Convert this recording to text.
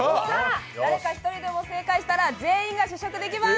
誰か１人でも正解したら全員が試食できます。